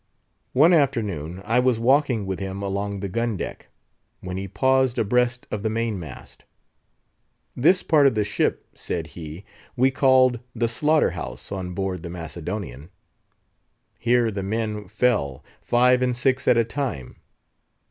One afternoon, I was walking with him along the gun deck, when he paused abreast of the main mast. "This part of the ship," said he, "we called the slaughter house on board the Macedonian. Here the men fell, five and six at a time.